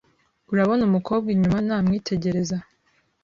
Urabona umukobwa inyuma? Namwitegereza.